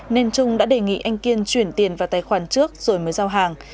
nên trung đã đề nghị anh kiên chuyển tiền vào tài khoản trước rồi mới giao hàng